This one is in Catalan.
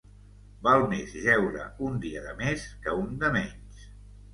Val més jeure un dia de més que un de menys.